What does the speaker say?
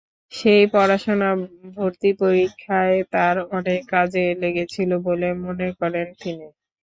সেই পড়াশোনা ভর্তি পরীক্ষায় তাঁর অনেক কাজে লেগেছিল বলে মনে করেন তিনি।